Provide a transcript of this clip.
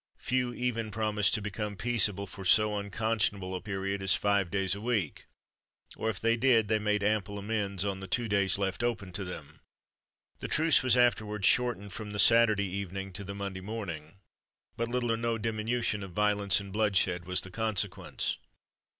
Few even promised to become peaceable for so unconscionable a period as five days a week; or if they did, they made ample amends on the two days left open to them. The truce was afterwards shortened from the Saturday evening to the Monday morning; but little or no diminution of violence and bloodshed was the consequence.